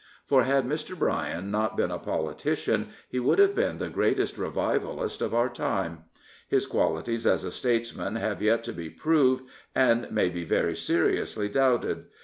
For had Mr. Bryan not been a politician, he would have been the greatest reviyaflist of our time. His qualities as a statesman have yet to be proved, and may be very seriously doubted.